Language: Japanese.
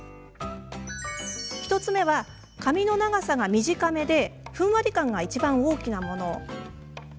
１つ目は、髪の長さが短めでふんわり感がいちばん大きなもの。